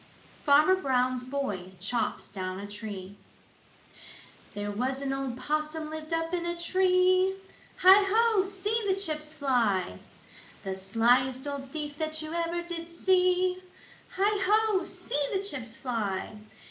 XXI FARMER BROWN'S BOY CHOPS DOWN A TREE "There was an old Possum lived up in a tree; Hi, ho, see the chips fly! The sliest old thief that you ever did see; Hi, ho, see the chips fly!